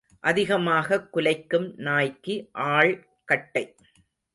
அதிகமாகக் குலைக்கும் நாய்க்கு ஆள் கட்டை.